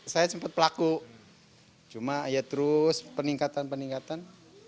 saya sempat pelaku cuma ya terus peningkatan peningkatan